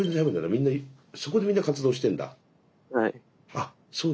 あそうだ。